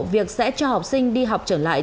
việc sẽ cho học sinh đi học trở lại